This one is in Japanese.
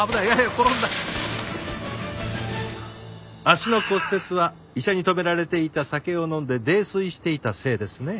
足の骨折は医者に止められていた酒を飲んで泥酔していたせいですね？